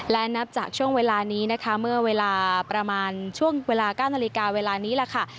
และนับจากช่วงเวลานี้นะคะเมื่อเวลาประมาณช่วงเวลา๙นาฬิกาเวลานี้แหละค่ะ